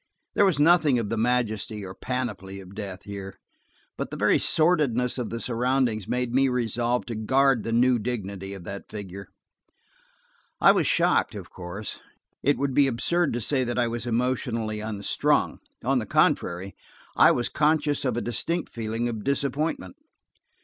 There was nothing of the majesty or panoply of death here, but the very sordidness of the surroundings made me resolve to guard the new dignity of that figure. I was shocked, of course; it would be absurd to say that I was emotionally unstrung. On the contrary, I was conscious of a distinct feeling of disappointment.